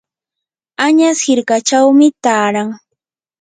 añas hirkachawmi taaran.